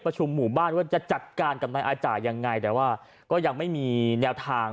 หมู่บ้านว่าจะจัดการกับนายอาจ่ายยังไงแต่ว่าก็ยังไม่มีแนวทาง